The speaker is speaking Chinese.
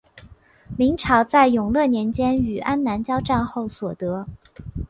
明朝在永乐年间与安南交战后所得。